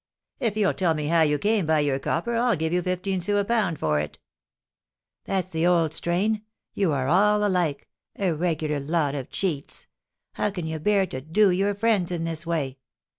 "If you'll tell me how you came by your copper, I'll give you fifteen sous a pound for it." "That's the old strain. You are all alike, a regular lot of cheats. How can you bear to 'do' your friends in this way?